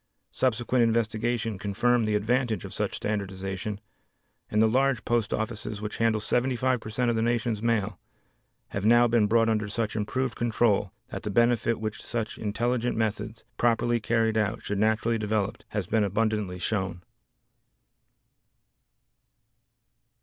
Subsequent investigation confirmed the advantage of such standardization, and the large post offices which handle 75 per cent of the nation's mail, have now been brought under such improved control that the benefit which such intelligent methods, properly carried out, should naturally develop, has been abundantly shown.